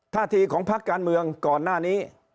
ท่าทีของพักการเมืองก่อนหน้านี้